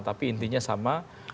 tapi intinya sama